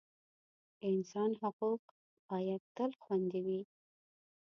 د انسان حقوق باید تل خوندي وي.